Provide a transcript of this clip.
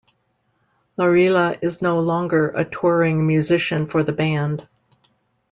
Laurila is no longer a touring musician for the band.